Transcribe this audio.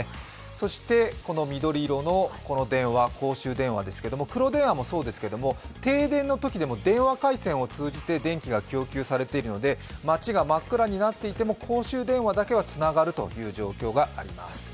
そしてこの緑色の公衆電話ですけれども黒電話もそうですけど、停電のときでも電話回線を通じて電気が供給されているので街が真っ暗になっていても公衆電話だけはつながるという状況があります。